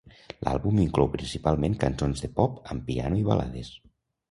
L'àlbum inclou principalment cançons de pop amb piano i balades.